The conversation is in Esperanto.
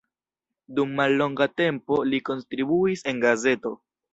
Dum mallonga tempo li kontribuis en gazeto.